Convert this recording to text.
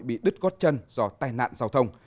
bị đứt gót chân do tai nạn giao thông